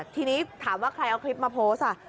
ทีนี้ถามว่าใครเอาคลิปมาโพสต์